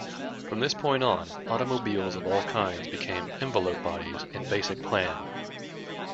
From this point on, automobiles of all kinds became envelope bodies in basic plan.